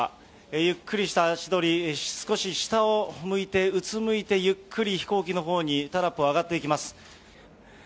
ゆっくりした足取り、少し下を向いてうつむいて、ゆっくり飛行機のほうにタラップを上がっていきます。